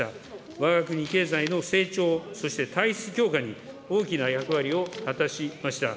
わが国経済の成長、そして体質強化に大きな役割を果たしました。